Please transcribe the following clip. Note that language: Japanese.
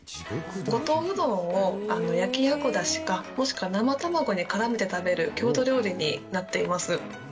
五島うどんを焼きあごだしか、もしくは生卵にからめて食べる郷土料理になっています。